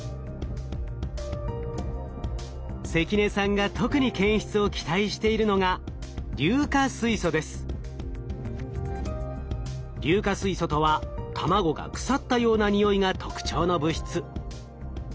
関根さんが特に検出を期待しているのが硫化水素とは卵が腐ったようなにおいが特徴の物質。